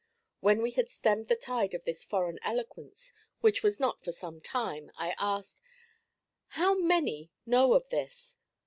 When we had stemmed the tide of this foreign eloquence, which was not for some time, I asked: 'How many know of this?'